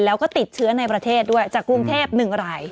แล้วก็ติดเชื้อในประเทศด้วยจากกรุงเทพ๑ราย